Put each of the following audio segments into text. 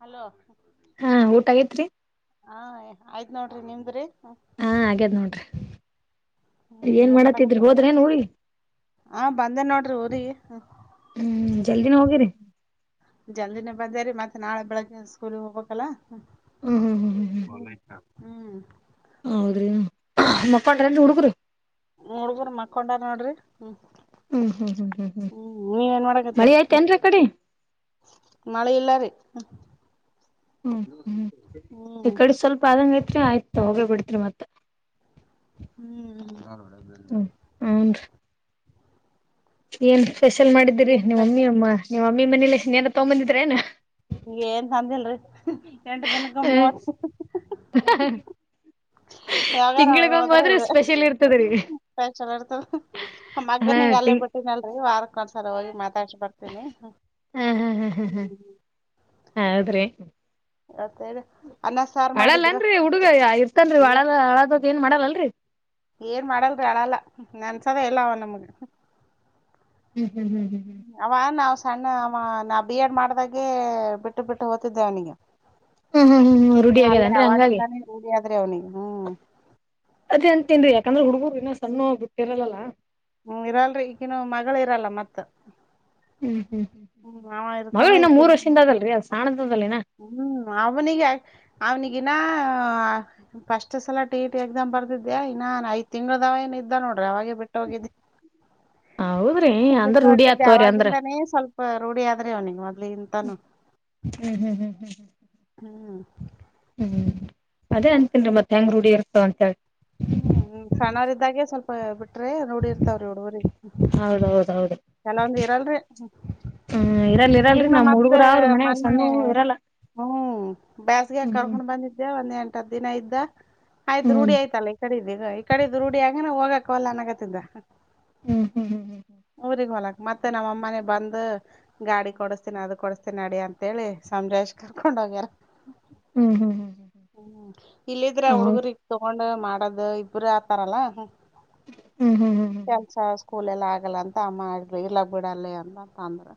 Hello ಹ ಹಾ ಊಟ ಆಗೇತ್ರಿ ಆಯ್ ನೋಡ್ರಿ ನಿಮ್ದ್ರಿ ಹಾ ಹಾಗೇದ್ ನೋಡ್ರಿ ಹ್ಮ್ ಏನ್ ಮಾಡತಿದ್ರಿ ಮಾಡಕತ್ತರಿ ಹೋದ್ರೇನ್ ಊರಿಗಿ ಆ ಬಂದೇ ನೋಡ್ರಿ ಊರಿ. ಹ ಹ್ಮ್ ಜಲ್ದಿನ ಹೋಗಿರಿ ಜಂದಿನ ಬಂದರಿ ಮತ್ತೆ ನಾಳೆ ಬೆಳಗ್ಗೆ ಸ್ಕೂಲ್ ಹೋಗ್ಬೇಕಲ್ಲ ಹ್ಮ್ ಹ್ಮ್ ಹ್ಮ್ ಹ್ಮ್ ಹ್ಮ್ ಹ್ಮ್ ಹೌದ್ರಿ ಮಕ್ಕಾಟ್ರನ್ ಹುಡುಗರು ಹುಡುಗುರು ಮಕ್ಕೊಂಡಾರ ನೋಡ್ರಿ ಹ್ಮ್ ಹ್ಮ್ ಹ್ಮ್ ಹ್ಮ್ ಹ್ಮ್ ನೀವೇನ್ ಮಾಡಕತ್ತರ ಮಳಿ ಹ್ಮ ಐತೆೇನ್ರಿ ಆ ಕಡೆ ಮಳೆ ಇಲ್ಲಾರೀ ಹ್ಮ್ ಹ್ಮ್ ಈ ಕಡೆ ಸ್ವಲ್ಪ ಅದಂಗ ಇ ಆಯ್ತು ಹೋಗ ಬಿಡ್ತ್ರಿ ಮತ್ತ ಹ್ಮ್ ಹ್ಮ್ ಹನ್ ಏನ್ ಸ್ಪೆಷಲ್ ಮಾಡಿದ್ದೀರಿ ಏನ್ ನಿಮ್ಮ ಸ್ಪೆಷಲ್ ಅಮ್ಮ ನಿಮ್ಮಮ್ಮಿ ಮನೇಲಿ ಏನ ತಗೊಂಬಂದಿದ್ರ ನ ಈ ಏನ್ ತಂದಿಲ್ರಿ ಎಂಟ ದಿನಕ್ಕ ಹಾ ಮೂವತ್ತ ಯಾವಾಗಾರ ತಿಂಗಳಿಗೊಮ್ಮೆ ಆಗದ್ರೆ ಹೋದ್ರೆ ಇದೆಲ ಸ್ಪೆಷಲ್ ಇರ್ತದ್ರೀ ಇರ್ತದೆ ಹಾ ಮಗನಂಗ ಅಲ್ಲೇ ತಿಂಗ್ ಬಿಟ್ಟಿನಲ್ರರಿ ನೀ ವಾರಕ್ಕ ಒಂದ್ಸರ್ ಹೋಗಿ ಮಾತಾಡ್ಸ ಬರ್ತೀನಿ ಹ್ಮ್ ಹ ಹೌದ್ರಿ ಅತ್ತರಿ ಹಳಲ್ಲನ್ರರಿ ಹುಡುಗ ಇರ್ತನ್ರಿ ಏ~ ಅಳಲ್ಲ ಹಳದದತ್ ಏನ್ ಮಾಡಲ್ಲಲ್ರರಿ ಏನ್ ಮಾಡಲ್ರಿ ಅಳಲ್ಲ ನೆನ್ಸದೆೇ ಎಲ್ಲ ಅವ ನಮ್ಗ ಹ್ಮ್ ಹ್ಮ್ ಹ್ಮ್ ಹ್ಮ್ ಅವ ನಾವ್ ಸಣ್ಣ ಅವ ನಾ ಬಿ ಎಡ್ ಮಾಡ್ದಾಗೆ ಬಿಟ್ಟು ಬಿಟ್ಟು ಹೋಗತಿದ್ದೆ ಅವನಿಗೆ ಹ್ಮ್ ಹ್ಮ್ ಹ್ಮ್ ಹ್ಮ್ ಹ್ಮ್ ರೂಢಿ ಹ ಅಲ್ಲೇ ಆಗ್ಯದನ್ರಿ ಹಂಗಾಗಿ ಅವಾಗಿಂದಾನೇ ರೂಢಿಯಾದ್ರೆ ಅವ್ನಿಿಗೆ ಹ್ಮ್ ಅದೇ ಅಂಟೇನ್ರಿ ಯಾಕಂದ್ರ ಹುಡುಗುರುನ ಸಣ್ಣ ಗೊತ್ತಿರಲ್ಲಾ ಹ್ಮ ಇರಲ್ರಿ ಈಗನು ಮಗಳ ಇರಲ್ಲ ಮತ್ತ ಹ್ಮ್ ಹ್ಮ್ ಹ್ಮ್ ಅವ ಇರ್ತಾರ ಮಗಳು ಇನ್ನ ಈಕ ಮೂರ್ ವರ್ಷಿಂದ ಅದಲ್ರಿ ಅದ್ ಸಾಣದದಲ್ಲಿನ ಹ್ಮ್ ಅವನಿಗೆ ಅವ್ನಿಗನ್ನ ಫಸ್ಟ್ ಸಲಾ ಟಿಇಟಿ ಎಕ್ಸಾಮ್ ಬರ್ದಿದ್ದೆ ಇನ್ನ ಐದು ತಿಂಗಳದಾವ ಇದ ಇದ್ದ ನೋಡ್ರಿ ಅವಾಗೆ ಬಿಟ್ಟು ಹೋಗಿದ್ದಿ ಹೌದ್ರಿ ಅಂದ್ರ ಬಿಟ್ಟು ರೂಢಿ ಹೋಗಿದ್ದು ಆತವ್ರಿ ಅಂದ್ರ ಅವಾಗಿಂದನೆ ಸ್ವಲ್ಪ ರೂಢಿ ಆದ್ರಿ ಅವನಿಿಗೆ ಮೊದ್ಲಿ ಇಂತಾನೂ ಹ್ಮ್ ಹ್ಮ್ ಹ್ಮ್ ಹ್ಮ್ ಹ್ಮ್ ಹ್ಮ್ ಅದೇ ಅಂತೇನ್ ರೀ ಮತ್ತೆ ಹೆಂಗ ರೂಡಿಿ ಇರ್ತವ ಅಂತ ಹ್ಮ್ ಸಣ್ಣವರಿದ್ದಾಗ ಸ್ವಲ್ಪ ಬಿಟ್ರೆ ರೂಡಿರ್ತಾವ್ರಿ ಹುಡುಗರಿಗಿ ಹೌದೌದೌದು ಕೆಲವೊಂದು ಇರಲ್ರಿ ಹ್ಮ್ ಇರಲ್ ಇರಲ್ರಿ ಇಗ್ನು ನಮ್ ಮತ್ತ ಹುಡುಗರು ಅವ್ರ ಮನ್ಯಾಗ ಮೊನ್ನೆ ಸಣ್ಣು ಇರಲ್ಲ ಹ್ಮ್ ಬ್ಯಾಸಗಿ ಆಗ್ ಹ್ಮ್ ಕರ್ಕೊಂಡ್ ಬಂದಿದ್ದೆ ಒಂದ್ ಎಂಟೊತ್ತಿನ ದಿನ ಇದ್ದ ಆಯ್ತ ರೂಢಿ ಹ್ಮ್ ಆಯ್ತಲ್ಲ ಈ ಕಡೆ ಇದ್ದ ಈಗ ರೂಡಿ ಆಯ್ತಲ್ಲ ಹೋಗಕ್ ವಲ್ಲಾ ಅನೋಕತಿದ್ದ ಹ್ಮ್ ಹ್ಮ್ ಹ್ಮ್ ಹ್ಮ್ ಊರಿಗ್ ಹೋಗ್ಲಕ್ಕ ಮತ್ತೆ ನಮ್ಮ ಅಮ್ಮನ ಬಂದ ಗಾಡಿ ಕೊಡಸ್ತೀನಿ ಅದ ಕೊಡಸ್ತೀನ ಅಡಿ ಅಂತೇಳಿ ಸಮಾದನ ಮಾಡಿ ಬೇಸ್ ಕರ್ಕೊಂಡ ಹೋಗ್ಯ ಹ್ಮ್ ಹ್ಮ್ ಹ್ಮ್ ಹ್ಮ್ ಇಲ್ಲಿದ್ರೆ ಹುಡುಗ ಹೌದು ತಗೊಂಡ ಮಾಡದು ಇಬರು ಆತಾರಲ್ಲ ಹ್ಮ್ ಹ್ಮ್ ಹ್ಮ್ ಹ್ಮ್ ಕೂಲೆಲ್ಲ ಆಗಲ್ಲಂತ ಮಾಡ್ರಿ ಇಲ್ಲ ಬಿಡಲ್ಲ ಅಂತ ಆದರು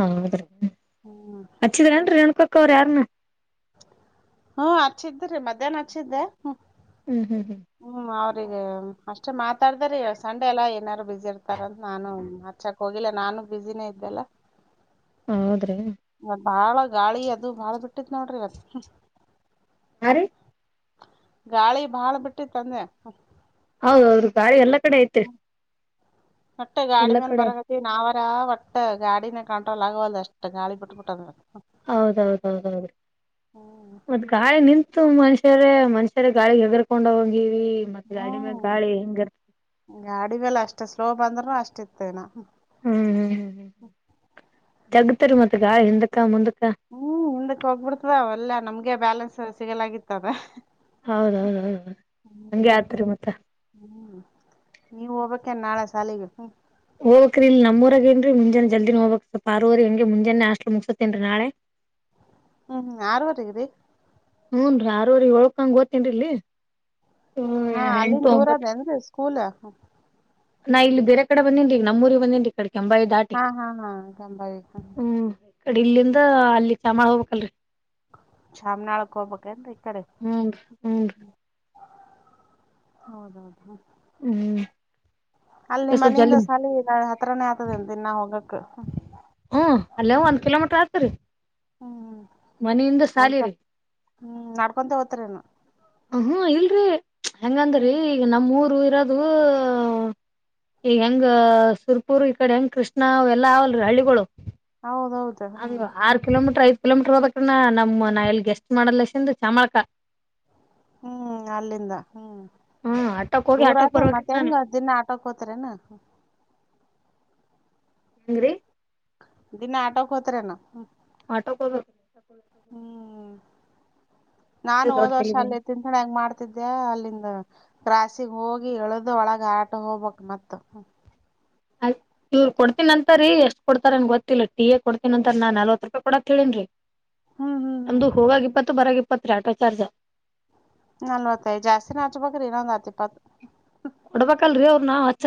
ಹೌದ್ರೀ ಹಚ್ಚಿದ್ರೇನ್ ರೇಣುಕಾ ಅಕ್ಕರು ಅವರು ಯಾರನ ಹ್ಮ ಹಚ್ಚಿದ್ರಿ ಮಧ್ಯಾಹ್ನ ಹಚ್ಚಿದ್ದೆ ಹ್ಮ್ ಹ್ಮ್ ಅವಗಿ ಅಷ್ಟೆ ಮಾತಾಡಿದ್ರ ಇವತ್ ಸಂಡೆ ಎಲ್ಲ ಏನಾದಾರರು ಬಿಸಿಿ ಇರ್ತಾರಂತ ನಾನು ಹಚ್ಚಕ್ ಹೋಗಿಲ್ಲ ನಾನು ನಾನು ಬಿಸಿನೇ ಇದ್ದಲ್ಲ ಹೌದ್ರಿ ಬಾಳ ಗಾಳಿ ಅದು ಬಾಳ ಬಿಟ್ಟತ್ ನೋಡ್ರಿ ಇವತ್ತು ಆ ರೀ ಗಾಳಿ ಭಾಳ ಬಿಟ್ಟು ಅಂದೇ ಹೌದೌಹೌದ ರೀ ಗಾಳಿ ಎಲ್ಲಾ ಕಡೆ ಐತೆ ವಟ ಗಾಡಿ ಮೇಲ್ ಬರಕತಿ ನಾವ ಒಟ್ಟ ಗಾಡಿನ ಕಂಟ್ರೋಲ್ ಆಗುವಲ್ಲ ಅಷ್ಟು ಗಾಳಿ ಬಿಟ್ಬಿಟ್ಟದ ಹೌದೌದೌದೌದು ಹ್ಮ್ ಮಷ್ಯರೇ ಮನುಷ್ಯರ ಗಾಳಿಗೆ ಹೆಗರ್ಕೊಂಡ್ ಹೋಗಂಗಿವಿ ಈ ಮತ್ತ ಗಾಡಿಮೆಗ್ ಹ್ಮ್ ಗಾಳಿ ಹೆಂಗಿರುತ್ತ ನೋವ್ ಬಂದ್ರರು ಅಷ್ಟ ಇತ್ತೇನಾ ಹ್ಮ್ ಹ್ಮ್ ಜಗುತ್ ರೀ ಮತ್ ಗಾಳಿ ಹಿಂದಕ್ಕ ಮುಂದಕ್ ಹ್ಮ್ ಹಿಂದಕ್ ಹೋಗ್ಬಿಡ್ತದ ಒಲ್ಲಾ ನಮ್ಗೆ ಬ್ಯಾಲೆನ್ಸ್ ಸಿಗಲಾಗಿತ್ತದ ಹೌದೌದೌದುೌ ಹಂಗೆ ಆತ್ರರಿ ಮತ್ತ ನೀವು ಹೋಗಬೇಕೇನು ನಾಳೆ ಸಾಲಿಗ ಹೋಗಕ್ರೀ ಇಲ್ಲಿ ನಮ್ ಊರಾಗ್ ಇನಿ ರೀ ಮುಂಜಾನೆ ಜಲ್ದಿನ ಹೋಗ್ಬೇಕಕ್ ಅರುವರೆ ಅಂಗೇ ಮುಂಜಾನೆ ನಷ್ಟ ಮುಗಸತೇನ್ರಿ ನಾಳೆ ಹ್ಮ್ ಹ್ಮ್ ಆರುವರಿಗೆ ರೀ ಹುನ್ ರೀ ಅರುವರಿಗ್ ಏಳುಕಂಗ್ ಹೋಗ್ತೀನ್ರೀ ಹಾ ಅಲ್ಲಿಂದ ದೂರದೇಏನ್ರಿ ಸ್ಕೂಲ್ ನಾ ಇಲ್ಲಿ ಬೇರೆ ಕಡೆ ಬಂದೇನರೀ ನಮ್ಮೂಊರಿಗೆ ಬಂದೇನ್ರೀ ಕೆಂಬಾವಿ ದಾಟಿ ಹಾ ಹಾ ಹಾ ಗಂಬಾವಿ ಹ್ಮ್ ಬಟ್ ಇಲ್ಲಿಂದ ಅಲ್ಲಿ ಚಾಮನಾಳ ಹೋಗ್ಬೇಕು ಅಲರಿ ಚಾಮನಾಳಕ್ ಹೋಗ್ಬೇಕಬೇಕೇನ್ರೀ ಈ ಕಡೆ ಹ್ಮ್ ಹ್ಮ್ ಹೌದೌದು ಹ್ಮ್ ಅಲ್ಲಿ ನಿಮ್ ಸ್ವಲ್ಪ ಜಲ್ದಿ ಮನೆಯಿಂದ ಸಾಲಿಗ್ ಹತ್ರನೇ ಆಗತದೆ ನಾ ಹೋಗಕ್ ಹ್ಮ ಅಲ್ಲೇ ಒಂದ್ ಕಿಲೋಮೀಟರ್ ಆತರಿ ಹ್ಮ್ ಹ್ಮ ಮನೆಯಿಂದ ಸಾಲಿರಿ ಹ್ಮ್ ನಡ್ಕೊಂತ ಹೋಗ್ತರೇನು ಹ್ಮ ಇಲ್ರಿ ಹೆಂಗಂದ್ರೀ ಹ್ಮ್ ಈಗ ನಮ್ಮೂಊರು ಯರದು ಈಗ ಹೆಂಗ ಸುರ್ಪುರ್ ಈ ಕಡೆ ಹೆಂಗ್ ಕೃಷ್ಣ ಅವ ಎಲ್ಲಾ ಅವಲ್ರಿ ಹಳ್ಳಿಗಳು ಹೌದೌದು ಹಂಗ ಹ್ಮ್ ಆರು ಕಿಲೋಮೀಟರ್ ಐ್ತ ಕಿಲೋಮೀಟರ್ ಹದಕ ನಮ ನಾ ಎಲ್ಲಿ ಗೆಸ್ಟ್ ಮಾಡಲ್ಲಸಂದು ಚಾಮಳಕ ಹ್ಮ್ ಅಲ್ಲಿಂದ ಹ್ಮ್ ಹ್ಮ್ ಆಟೋಕ್ ಹೋಗಿ ದೂರ ಆಟೋಕ್ ಆತ ಬರ್ಬೇಕ್ರಿ ಮತ್ತೆ ನಾನು ಹೆಂಗ ದಿನ ಆಟೋಕ್ ಹತರನಾ ಹಂಗ ರೀ ದಿನ ಆಟೋಕ್ ಹೋತ್ನಾ ಆಟೋಕೋ ಬ ಹ್ಮ್ ನಾನು ಹೋದ್ ವರ್ಷ ಅಲ್ಲಿ ತಲಿಬ್ಯಾನಿ ತಿಂತಣೆಗ ಮಾಡ್ತಿದ್ದೆ ಅಲ್ಲಿಂದ ಹ ರಾಸಿಗೆ ಹೋಗಿ ಎಳ್ದ ಒಳಗ ಆಟ ಹೋಗ್ಬಕ್ ಮತ್ತ ಇವ್ ಕೊಡ್ತೀನ ಅಂತರಿ ಎಷ್ಟ ಕೊಡ್ತಾರನ್ ಗೊತ್ತಿಲ್ಲ ಟೀ ಎ ಕೊಡ್ತೀನ್ ಅಂತರ ನಾ ನಲ್ವತ್ ರೂಪಾಯಿ ಕೊಡತ್ ತಿ ಹೇಳೇನ್ [unintelligible] ಹ್ಮ್ ಒಂದು ಹೋಗಾಗ ಇಪ್ಪತ್ತು ಬರಾಗ ಇಪ್ಪತ್ ರೀ ಆಟೋ ಚಾರ್ಜ್ ನಲ್ವತ್ತದು ಜಾಸ್ತಿ ನಾಚ್ಬೇಕ್ರಿ ಇನ್ನೊಂದ್ ಹತಿ ಇಪ್ಪತ್ತು ಕೊಡ್ಬೇಕಲ್ರಿ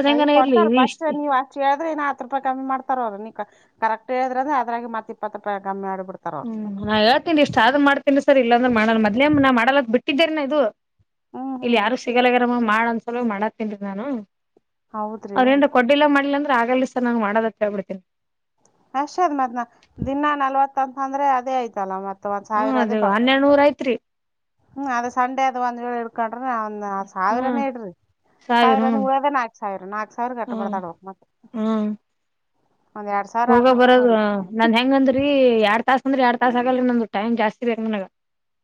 ಸರಿ ಕೊಡ್ತಾರ ಪಸ್ ನೀವ್ ಅಷ್ಟು ಹೇಳಿದ್ರೆ ಇಾಹತ್ ರೂಪಾಯಿ ಕಮ್ಮಿ ಮಾಡ್ತಾರ ಅವರು ನಿಕ್ಕ ಕರೆಕ್ಟ್ ಹೇಳದ್ರೆ ಅದ್ರ ಮತ್ತತ್ಪತ್ತು ರಪಾಯಿ ಕಮ್ಮಿ ಆಡಬದು ಹ್ಮ್ ನಾ ಹೇಳ್ತೇನ್ಇಷ್ಟ ಆದ್ ಮಾಡ್ತೇನ್ಸರ್ ಇಲ್ಲಾಂದ್ರ ಮಾಡಲ್ಲ ಹ್ಮ್ ಮದ್ನ ಮಾಡಲ್ದ್ ಬಿಟ್ಟಿದ್ದೆ ಇದು ಹ್ಮ್ ಇಲ್ಲಿ ಹ್ಮ್ ಯಾರು ಸಿಗಲ್ಲಗರಮ್ಮ ಮಾಡ ಅನ್ಸಲ ಮಾಡ ತಿನ್ ನಾನು ಹೌದ್ರಿ ಅವ್ರೇಏನ್ ಕೊಡ್ಡಿಲ್ಲ ಮಾಡ್ಲ ಅಂದ್ರೆ ಆಗಲಿ ಸರ್ ನಂಗ್ ಮಾಡೋದತ್ತ ಹೇಳ್ಬಿಡ್ತೀನಿ ಅಷ್ಟ ಅದ್ ಮತ್ನಾ ದಿನಾ ನಲ್ವತ್ಂತ ಅಂದ್ರೆ ಅದೇ ಆಯ್ತಲ್ಲ ಮತ್ ಮ ಹ್ಮ್ ಸಾವಿರ ಅದೇ ಅದು ಪ ಹನ್ನೆರಡ್ ನೂರ್ ಐತ್ರಿ ಹ್ಮ್ ಅದ ಸಂಡೆ ಅದ್ ಒಂದ್ ವೇಳೆ ಇಡ್ಕೊಂಡ್ರಿ ಒಂದ್ ಹ್ಮ್ ಸಾವಿರಾನೇ ಇಡ್ರಿ ಸಾವಿರ ಒಂದು ಉಳದ ನಾಲ್ಕು ಸಾವಿರ ನಾಕು ಸಾವಿರ ಕಟ್ಟ ಹ್ಮ್ ಪಡ್ತಾಡವ ಮತ್ತೆ ಹ್ಮ್ ಹೋಗ ಬರೋದ ನನ್ ಹೆಂಗಂದ್ರರಿ ಎರಡ್ ತಾಸಸ್ ಅಂದ್ರಿ ಎರಡ್ ತಾಸ ಆಗಲ್ರಿ ನಂದು ಟೈಮ್ ಜಾಸ್ತಿ ಬೇಕಕ್ ಮನಗ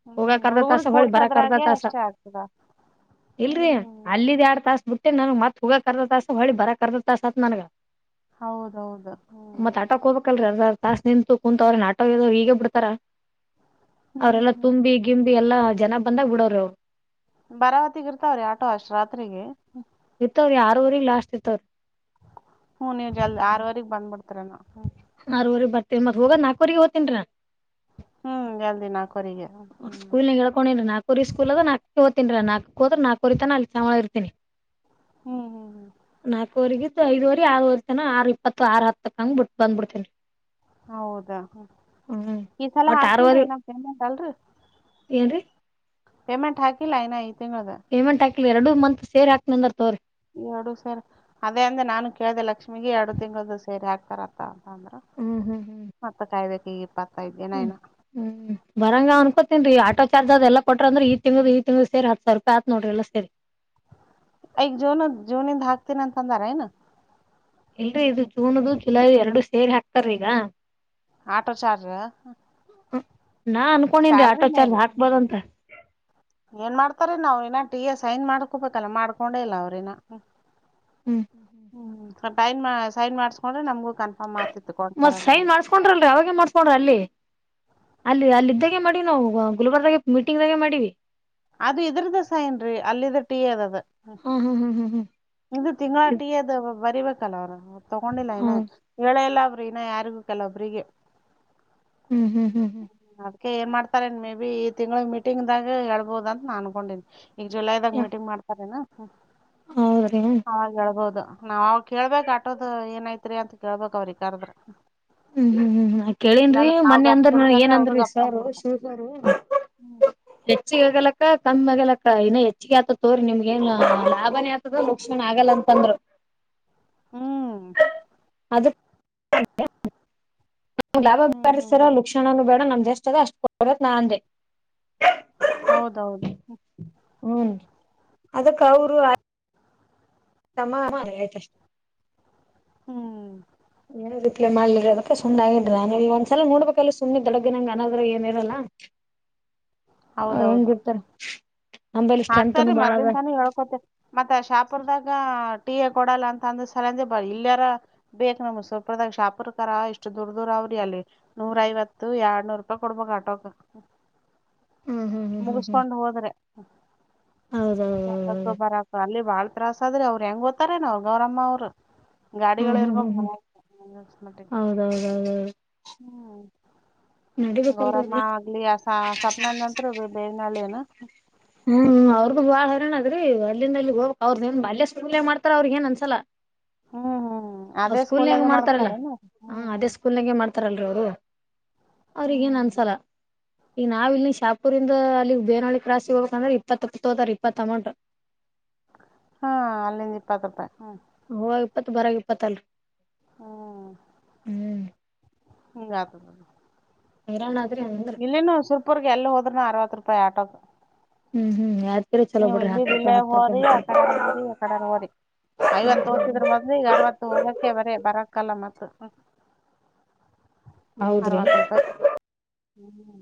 ಹ್ಮ್ ಯೋಗಾ ಕದ ತಾಸ ಹುಡುಗುರಿಗ್ ಹೊಳ ಭರ ಕದ ಕೂಡ್ಸದ್ರಾಗೆ ತಾಸ ಅಷ್ಟೇ ಆಗ್ತದ ಇಲ್ರರಿ ಹ್ಮ್ ಅಲ್ಲಿದ್ ಎಡ್ ತಾಸ ಮುಟ್ಟೆ ನನಗ್ ಮತ್ ಹೂಗ ಕರ್ದ ತಾಸ ಹೊಳಿ ಬರ ಕರ್ದ ತಾಸತ್ ನನಗ ಹೌದೌದು ಹ್ಮ್ ತಸ್ ನಿಂತು ಕುೂಂತು ಅವ್ರ ನ ಆಟ ಹ ಈಗ ಬಿಡ್ತಾರ ಹ್ಮ್ ಅವ್ರರೆಲ್ಲಾ ಹ್ಮ್. ತುಂಬಿ ಗಿಂಬ ಎಲ್ಲಾ ಜನ ಬಂದಾಗ ಬಿಡೋರು ಬರಾವತಿಗ ಇರ್ತಾವ್ರೀ ಆಟೋ ಅಷ್ಟ ರಾತ್ರಿಗೆ ಇತ್ತ್ರ ಯಾರವರ ಲಾಸ್ಟ್ ಇತ್ತವರಿ ಹ್ಮ್ ನೀವು ಜಲ್ದಿ ಆರವರೆಗ್ ಬಂದ್ಬಿಡ್ತರ ನಾ ಹ್ಮ ಆರೂವರಿಗ್ ಮತ್ ಹೋಗದ ನಾಕವರೆಗೆ ಹೋಗ್ತನ್ರ ಹ್ಮ್ ಎಲ್ ದಿನ ಆ ಸ್ಕೂಲ್ ನ ಹೇಳ್ಕೊಂಡಿಲ್ಲ ನಾ ಕುರಿ ಸ್ಕೂಲ್ ಅದ ನಾಕ ಹೋತಿನನ್ರ ನಾಕಕ್ ಹೋದ್ರ ನಾಕುರಿತಾನ ಅಲ್ಲಿ ಚಳ ಇರ್ತಿನಿ ಹ್ಮ್ ಹ್ಮ್ ಹ್ಮ್ ನಾಲ್ಕವರೆಗ ಐದುವರೆ ಆವರೆ ತನ ಆರು ಇಪ್ಪತ್ತು ಆರು ಹತ್ತಕ್ಕ ಹಂಗಗೆ ಬಿ ಬಂದ್ಬಿಡ್ತೇನಿ ಹೌದಾ ಈ ಸಲ ಹಾಕಿಲ್ರಿ ಇನ್ನಲ್ ಏನ್ ಪೇಮೆಂಟ್ ಹಾಕಿಲ್ಲ ನ ಈ ತಿಂ ಪೇಮೆಂಟ್ ಹಾಕಿಲ್ಲ ಎರಡು ಮಂತ್ ಸೇರಿ ಹಾಕ್ನಂದ ತೋಗರಿ. ಎರಡು ಸೆರಿ, ಅದೇ ಅಂದ್ರೆ ನಾನು ಕೇಳ್ದ ಲಕ್ಷ್ಮಿಗೆ ಎರಡು ತಿಂಗಳ್ದ ಸೇರಿ ಹಾಕ್ತಾರತ್ತ. ಂದ್ರ ಹ್ಮ್ ಹ್ಮ್ ಹ್ಮ್. ಮತ್ತ ಕಾಯ್ಬೇಕ ಈ ಇಪ್ಪತ್ [unintelligible] ಹ್ಮ್, ಹ್ಮ್ ಬರಂಗ ಅನ್ಕೊತೇನ್ರಿ ಆಟೋ ಚಾರ್ಜ್ ಅದೆಲ್ಲ ಕೊಟ್ರ ಅಂದ್ರೆ, ಈ ತಿಂಗಳ ಈ ತಿಂಗಳು ಸೇರಿ ಹತ್ತು ಸಾವಿ ರೂಪಾಯಿ ಆತ್ ನೋಡ್ರಿ ಎಲ್ಲ ಸೆರಿ. ಈಗ ಜೂನ್ -ಜೂನ್ನಿಂದ ಹಾಕ್ತೀನ ಅಂತ ಅಂದಾರ ಏನ್ ಇಲ್ರರಿ ಇದು ಜೂನ್ದು ಜುಲೈ ಎರಡು ಸೇರಿ ಹಾಕ್ತಾರಿಗ. ಆಟೋ ಚಾರ್ಜ್ ನಾ ಅನ್ಕೊಂಡೇನ್ರೀ ಆಟೋ ಶ್ಯಾಲ್ರಿನೇ ಚಾರ್ಜ್ ರಿ ಹಾಕ್ಬಾರ್ದಂತ ಏನ್ ಮಾಡ್ತಾರ ನಾವ ಇನಾ ಈಗ ಸೈನ್ ಮಾಡ್ಕೊಬೇಕಲ್ಲ ಮಾಡ್ಕೊಂಡೆ ಇಲ್ಲ ಅವ್ರಿನ್ನ. ಹ್ಮ್ ಹ್ಮ್ ಹ್ಮ್ [unintelligible] ಟೈನ್ ಸೈನ್ ಮಾಡಸ್ಕೊಂಡ್ರೆ ನಮಗು ಮತ್ ಸೈನ್ ಮಾಡ್ಸ್ಕೊಂಡ್ರಲ್ರಿಅವಾಗೇ ಮಾಡ್ಸ್ಕೊಂಡ್ರಿ ಅಲ್ಲಿ. ಅಲ್ಲಿದ್ದಾಗೆ ಮಾಡಿದ್ವಿ ನಾವು ಗುಲ್ಬರ್ಗ ದಂಗೆ ಮೀಟಿಂಗದಗೆ ಮಾಡಿದ್ವಿ. ಅದು ಇದರದ ಸೈನ್ರಿ ಅದು [unintelligible] ಹ್ಮ್, ಹ್ಮ ಇದು ತಿಂಗಳಟಿ, ಎದಬರಿಬೇಕಲ್ಲ ಅವ್ರು ತಗೊಂಡಿಲ್ಲ ಹಾ ಹಾ ಇನ ಹ ಹೇಳೆ ಇಲ್ಲ. ಇನ್ನಾ ಯಾರಿಗೂ ಕೆಲೊಬ್ರಿಗೆ. ಹ್ಮ್, ಹ್ಮ್, ಹ್ಮ್, ಹ್ಮ್ ಏನ್ ಮಾಡ್ತಾರೇನ್, ಮೇ ಬಿ ಈ ತಿಂಗಳದಗ್ ಮೀಟಿಂಗ್ ದಾಗ ಹೇಳ್ಬೋದ ಅಂತ ನಾನ್ ಅನ್ಕೊಂಡನಿ. ಈಗ ಜುಲೈದಾಗ ಮೀಟಿಂಗ್ ಮಾಡ್ತಾರೇನಾ ಹೌದ್ರಿ ಹಾ, ಹೇಳ್ಬಹದು ನಾವ್ ಅವ್ರಗ ಕೇಳ್ಬೇಕಕ್ ಆಟೋದ ಏನಐತ್ರಿ ಅಂತ ಕೇಳ್ಬಕ್ ಅವ್ರಿ ಕರದ್ರ. ಹ್ಮ್, ಹ್ಮ್, ಹ್ಮ್ ಕೇಳನ್ರೀ ಮೊನ್ನೆ ಗಪ್ ಅಂದ್ರ ಕುಂತ್ವಿ ಅವ್ರು ಏನಂದ್ರಿ ಗಪ್ ಕುಂತ್ ಸರು. [unintelligible] ಬಿಡ್ತಾರ ಶು ಸಾರ ಹ್ಮ್ ಹೆಚ್ಚಿಗೆಗಾಗಲ್ಲ [unintelligible] ಅಕ್ಕ ಕಮ್ ಆಗಲಕ್ಕ ಇನ್ನ ಹೆಚ್ಚಿಗೆ ಆತದ ತೋಗರಿ. ನಿಮ್ಗ ಏನ್ ಲಾಭಾನೇ ಆತದ ಲುಕ್ಷಣ ಆಗಲ್ಲ ಅಂತಂದರು. ಹ್ಮ್, [unintelligible] ಅದ ಲಾಭನು ಹ್ಮ್ ಹ್ಮ್ ಬ್ಯಾಡ್ರಿ- ಲುಕ್ಷಣ ಬ್ಯಾಡ್ರಿ ಸರ್ ನಮ್ ದ [unintelligible] ಸ್ ಅದ ಅಷ್ಟ ಕೊತ್ ನಾ ಅಂದೆ ಹೌದೌದು, ಹ್ಮ, ಅದಕ್ಕೆ ಅವರು ಆಯ್ತಷ್ಟ [inaudible] ಹ್ಮ್, ಏನ ರಿಪ್ಲ ಮಾಡ್ಲಿಲ್ಲರಿ ಅದಕ್ಕೆ ಸುಮ್ನಾಗಿನ ಆ ನಾನ್. ಒಂದ್ಸಲನೋಡ್ಬೇಕಲ್ಲ ಸುಮ್ಮನೆ ದಡಗನಂಗ ಅನದ್ರಾಗ ಏನ ಇರಲ್ಲ. ಹ [inaudible] ಹೌದೌದು, ಹ್ಮ್ ನಂಬಲ್ಲಿ ಹಾಕ್ತಾರೀ ಸ್ಟ್ರೆಂತ್ನು ಬಾಳ ಅದ ಮದ್ನ್ ತಾನ ಹೇಳ್ಕೊತಿ ಮತ್ತ ಶಾಪುರ್ದಾಗ. ಟೀ ಕೊಡಲ್ಲ ಅಂತಅಂದ ಸಲಂದ ಇಲ್ಲಯಾರ ಬೇಕ ನಮ್ ಸುರಪುರದಗ, ಶಾಹಾಪುರ್ ಕರ ಇಷ್ಟು ದೂರ್, ದೂರ ಅವ್ರ ಅಲ್ಲಿ ನೂರ ಐವತ್ತು, ಎರಡ್ನೂರ್ ರೂಪಾಯಿ ಕೊಡ್ಬಕ್ ಆಟೋಕ. ಹ್ಮ್ ಹ್ಮ್ ಹ್ಮ್ ಹ್ಮ್ ಹ್ಮ್ ಮುಗಿಸಕೊಂಡ್ ಹೋದ್ರೆ, ಸೊ ಹೌದೌದೌದು ಬರತ ಅಲ್ಲಿ [unintelligible] ಬಾಳ್ ತ್ರಾಸ ಆದ್ರಿಅವ್ರು ಹೆಂಗ ಓತಾರೇನ್ ಗೌರಮ್ಮ ಅವ್ರು. ಹ್ಮ್ ಗಾಡಿಗಳು ಹ್ಮ್ ಹ್ಮ್ ಇರ್ಬೇಕ ಹ್ಮ್ ಹೌದೌದೌದೌದು ಹ್ಮ್, ನಡಿಬೇಕಲ್ರಿ ಗೌರಮ್ಮ ಆಗ್ಲಿ ಆಸ ಸ್ವಪ್ನಂದ ನಂತರು ಬೇ ನೆ [inaudible] ಹ್ಮ್, ಅವ್ರ್ದು ಬಾಳ್ ಹೈರಾಣ ಅದ್ರೀ ಅಲ್ಲಿಂದಲ್ಲಿ ಹೋಗಕ್, ಅವ್ರಏನ್ ಅಲ್ಯ ಸ್ಕೂಲ್ನಾಗ ಮಾಡ್ತಾರ ಅವ್ರಿಗೆ ಏನ್ ಅಂನಸಲ. ಹ್ಮ್ ಹ್ಮ್ ಅದೇ ಸ್ಕೂಲ್ನಾಗ ಸ್ಕೂಲಾಗೆ ಮಾಡ್ತಾರಲ್ಲ ಮಾಡಸ್ತಾರೇನ ಹ, ಹ್ಮ್ ಅದೇ ಹ್ಮ್ ಸ್ಕೂಲ್ನಾಗ ಮಾಡ್ತ ತಾರಲ್ರಿ ಅವರು ಅವ್ರಗ ಏನ್ ಹ್ಮ್ ಅನ್ಸಲ್ಲ. ಈಗ ನಾವು ಇಲ್ಲಿ ಶಾಹಪುರಿಂದ ಅಲ್ಲಿ ಬೇನಹಳ್ಳಿ ಕ್ರಾಸಿಗಿ ಅಂದ್ರೆ ಇಪ್ಪತ್ತ ರೂಪಾಯಿ, ಇಪ್ಪತ್ತ ಅಮೌಂಟ್ ಹಾ, ಅಲ್ಲಿಂದ ಇಪ್ಪತ ರೂಪಾಯಿ. ಒಗಇಪ್ಪತ್ತು ಬರೃ ಇಪ್ಪತ್ತಲಿ, ಹ್ಮ್ ಹ್ಮ [unintelligible] ಹರಾಣ [unintelligible] ಇಲ್ಲನು ಸುಲ್ಪೂರ್ಗೆ ಎಲ್ಲಿ ಹೋದ್ರುನು ಅರವತ್ತು ರೂಪಾಯಿ ಆಟೋಕ್ ಹ್ಮ್ ಹ್ಮ್ಯ ನೀವು್ ಇಲ್ಲದ ಇಲ್ಲೇ ಹೋರಿ ಆ ಕಡಾರ ಹೋರಿ ಆ ಕಡಾರ ಹೋರಿ ಐವತ್ತುಓದ್ಿದ್ರ [unintelligible] ಮೊದ್ಲು ಈಗ ಅರವತ್ತು ಹೋಗಕೆ ಬರೀ ಬರಕ್ಕಲ್ಲ ಮತ್ತ ಹೌದ್ರಿ ಅರವತ್ತು ರೂಪಾಯಿ ಹ್ಮ್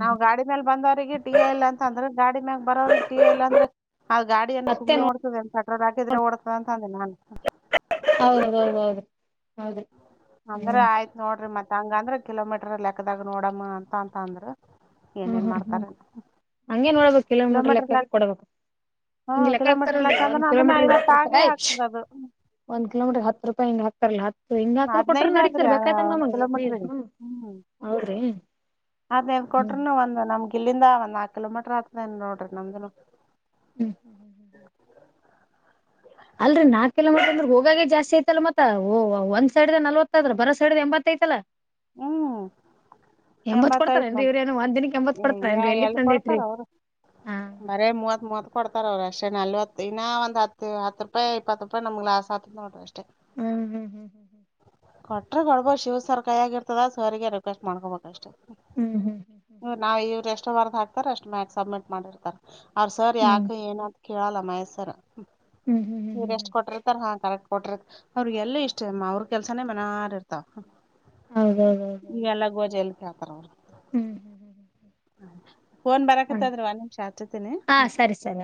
ನಾವ್ ಗಾಡಿ ಮೇಲ್ ಬಂದವ್ರರಿಗೆ ಟಿ ಎ ಇಲ್ಲ ಅಂತ ಅಂದ್ರೆ ಗಾಡಿ ಮ್ಯಾಗ ಬರೋವ್ರಿಗೆ ಟಿ ಎ ಇಲ್ಲಂದ್ರ ಅದ ಗಾಡಿಯನ್ ಮತ್ತೆ ಸುಮ್ಮನೆ ನೋ ಓಡುತ್ತದೆನೋ ಪೆಟ್ರೋಲ್ ಹಾಕಿದ್ರೆ ಓಡ್ತದೆ ಅಂತ ಅಂದೆ ನಾನು ಹೌದು ಹೌದು ಹೌದು [inaudible] ಅಂದ್ರೆ ಆಯ್ತ್ ನೋಡ್ರಿ ಮತ್ ಹಂಗ ಅಂದ್ರ ಕಿಲೋಮೀಟರ್ಲ್ಲಿ ಲೆಕ್ಕದಾಗ ನೋಡಮ್ಮ ಅಂತ ಅಂತ ಅಂದ್ರ ಹ್ಮ್ ಏನೇನ್ ಹ್ಮ್ ಹ್ಮ್ ಮಾಡ್ತಾರೇನ ಹಂಗಗೆನ್ ನೋಡ್ಬೇಕ ಕಿಲೋಮೀಟರ್ ಲೈಕ್ ದಾಗೆ ಕೊಡಬೇಕು ಹಂಗ ಹ್ಮ್ ಲೆಕ್ಕ ಕಿಲೋಮೀಟರ್ ಹಾಕ್ತಾರಲ್ರಿ ಲೆಕ್ಕ ಒಂದ್ ಅಂದ್ರನು ಅದನ್ನ ಕಿಲೋಮೀಟರ್ ಐವತ್ತ ಇವತ್ತು ಆಗೇ ರೂಪಾಯಿ ಆಗ್ತದ ಅದು. [unintelligible] ಒಂದು ಕಿಲೋಮೀಟರ್ಗೆ ಹತ್ತು ರೂಪಾಯಿ ಹಾಕ್ತಾರ್ಲಾಕ್ ಹಿಂಗ ಹಾಕ್ರ ಕೊಟ್ರ ಹದ್ನೈದ್ ಆದ್ರಿ ನಡತರಿ ಬೇಕಾಯ್ತ ಒಂದ್ ಹಂಗಮ್ಮಂಗದ ಕಿಲೋಮೀಟರ್ ಹೌದ್ರೀ. [inaudible] ಅದೇನ್ ಕೊಟ್ರರುನು ಒಂದ್ ನಮ್ ಗಿಲ್ಲಿಂದ ಒಂದ್ ನಾಕ್ ಕಿಲೋಮೀಟರ್ ಆತದ ನೋಡ್ರಿ ನಮ್ದುನು. ಹ್ಮ್ [inaudible] [unintelligible] ಅಲ್ರಿ ನಾಲ್ಕು ಕಿಲೋಮೀಟರ್ ಅಂದ್ರೆ ಹೋಗಾಗ [inaudible] ಜಾಸ್ತಿ ಆಐತಲ್ಲ ಮತ್ತ ಒಂದು ಸೈಡ್ದು ನವತ್ತ ಆದ್ರ ಬರ ಸೈಡ್ ದು ಎಂಬತ್ತೈದು. ಇತ್ತಲ್ಲ. [inaudible] ಹ್ಮ್ ಎಂಬತ್ತು ಆಯ್ತು ಕೊಡ್ತಾರೇನ್ರಿ ನೋಡು ಇವ್ರೇನು ಒಂದ್ ದಿನಕ್ಕೆ ಎಂಬತ್ ಕೊಡ್ತಾರೇನ್ರಿ ಎಲ್ಲಿ ಕೊಡ್ತಾರ ತಂದೈತ್ರಿ ಅವರು ಹಾ ಬರೇ ಮೂವತ್ ಮೂವತ್ ಕೊಡ್ತಾರ ಅವ್ರ ಅಷ್ಟ. ನಲ್ವತ್ತು ಇನ್ನ ಒಂದ ಹತ್ತು ಹತ್ತು ರೂಪಾಯಿ ಇಪ್ಪತ್ತು ರೂಪಾಯಿ ನಮ್ ಲಾಸ್ ಆತ ನೋಡ್ರಿ ಅಷ್ಟೇ. ಹ್ಮ್ ಹ್ಮ್ ಹ್ಮ್ ಹ್ಮ್ ಹ್ಮ್ ಕೊಟ್ರೆ ಕೊಡ್ಬೋ ಶಿವ್ ಸರ್ ಕೈಯಾಗಿರುತ್ತದೆ ಸರ್ರಿಗೆ ರಿಕ್ವೆಸ್ಟ್ ಮಾಡ್ಕೋಬೇಕ್ ಅಷ್ಟೇ. ಹ್ಮ್ ಹ್ಮ್ ಹ್ಮ್ ಹ್ಮ ನಾವ್ ಇವ್ರ ಎಷ್ಟೋ ವಾರದ ಹಾಕ್ತಾರ ಅಷ್ಟ ಮ್ಯಾಗ ಸಬ್ಮಿಟ್ ಮಾಡಿರ್ತಾರ. ಅವ್ರ ಸರ್ ಯಾರಿಗೂ ಏನು ಕೇಳಲ್ಲ ಮಹೇಶ್ಸರ್. ಹ್ಮ್ ಹ್ಮ್ ಹ್ಮ್ ಹ್ಮ್ ಹ್ಮ್ ನೀ ಹ್ಮ್ ಎಷ್ಟ ಹ್ಮ್ ಕೊಟಿರ್ತಾರ ಹಾ ಕರೆಕ್ಟ್. ಕೊಟ [unintelligible] ಅವರಿಗೆಲ್ಲಿ ಇಷ್ಟ ಅಮ್ಮ ಅವ್ರ ಕೆಲ್ಸಾನೇ ಮನಾರ್ ಇರ್ತಾವ. ಹೌದೌದೌದೌದು ಈವೆಲ್ಲ ಗೋಜೆಯಲ್ಲಿ ಹ ಹಳ್ತಾರ ಅವರು [inaudible] ಹ್ಮ್ ಫೋನ್ ಹ್ಮ್ ಬರಕತ್ತದ್ರ ಒಂದು ನಿಮಷ ಹಚ್ತೀನಿ ಹಾ ಹ್ಮ. ಸರಿ ಸರಿ